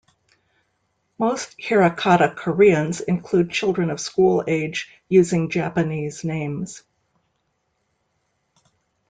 Most Hirakata Koreans, including children of school age, use Japanese names.